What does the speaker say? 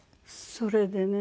それでね。